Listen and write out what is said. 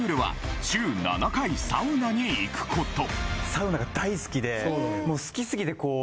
・サウナが大好きでもう好きすぎてこう。